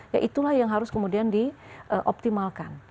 ya itulah yang harus kemudian dioptimalkan